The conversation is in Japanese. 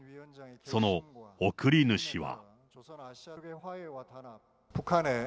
その贈り主は。